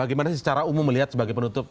bagaimana sih secara umum melihat sebagai penutup